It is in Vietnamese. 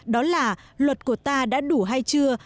đó là luật của ta đã đủ hay chưa